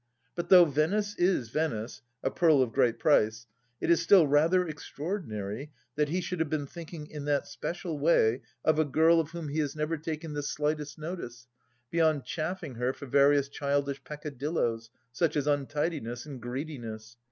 But though Venice is Venice — a pearl of great price — it is still rather extraordinary that he should have been thinking in that special way of a girl of whom he has never taken the slightest notice beyond chaffing her for various childish peccadilloes, such as untidiness and greediness